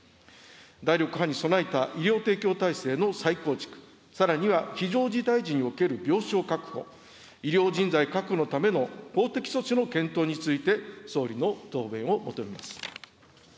第６波に備えた医療提供体制の再構築、さらには非常事態時における病床確保、医療人材確保のための法的措置の検討について、総理の答弁を求めます。